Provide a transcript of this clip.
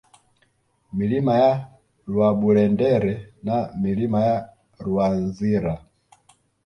Milima ya Rwaburendere na Milima ya Rwanzira